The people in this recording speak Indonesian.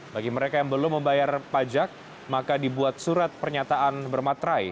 bagi mereka yang belum membayar pajak maka dibuat surat pernyataan bermaterai